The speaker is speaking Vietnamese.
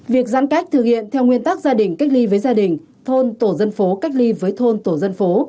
việc giãn cách thực hiện theo nguyên tắc gia đình cách ly với gia đình thôn tổ dân phố cách ly với thôn tổ dân phố